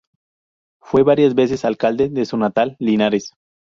Fue varias veces alcalde de su natal Linares.